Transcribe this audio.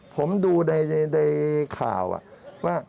ผมดูในข่าว